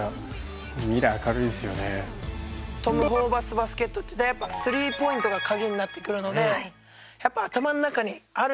トム・ホーバスバスケットっていうのはやっぱスリーポイントが鍵になってくるのでやっぱ頭の中にあるんじゃないですか？